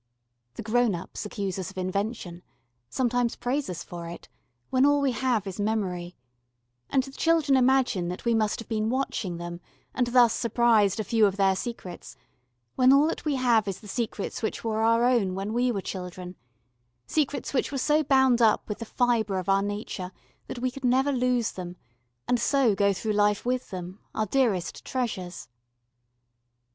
The grown ups accuse us of invention, sometimes praise us for it, when all we have is memory; and the children imagine that we must have been watching them, and thus surprised a few of their secrets, when all that we have is the secrets which were our own when we were children secrets which were so bound up with the fibre of our nature that we could never lose them, and so go through life with them, our dearest treasures.